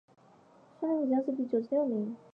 顺天府乡试第九十六名。